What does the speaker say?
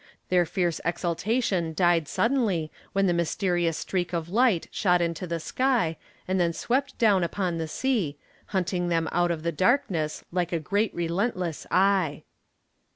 Their fierce exultation died suddenly when the mysterious streak of light shot into the sky and then swept down upon the sea, hunting them out of the darkness like a great relentless eye.